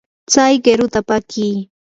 tsay qiruta pakii.